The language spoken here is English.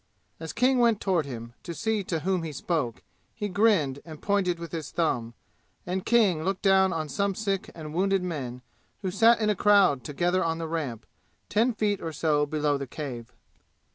As King went toward him to see to whom he spoke he grinned and pointed with his thumb, and King looked down on some sick and wounded men who sat in a crowd together on the ramp, ten feet or so below the cave.